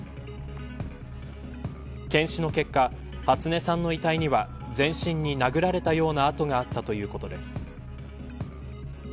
検視の結果初音さんの遺体には全身に殴られたような痕があったということです。